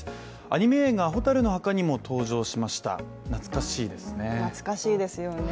アニメ映画「火垂るの墓」にも登場しました、懐かしいですね。